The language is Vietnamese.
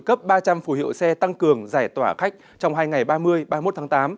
cấp ba trăm linh phù hiệu xe tăng cường giải tỏa khách trong hai ngày ba mươi ba mươi một tháng tám